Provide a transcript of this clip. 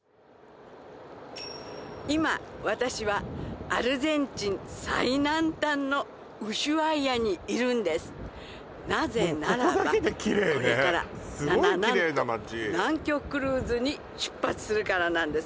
今私はアルゼンチン最南端のウシュアイアにいるんですなぜならばこれからなななんと南極クルーズに出発するからなんです